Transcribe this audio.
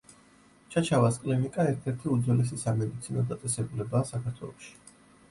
ჩაჩავას კლინიკა ერთ-ერთი უძველესი სამედიცინო დაწესებულებაა საქართველოში.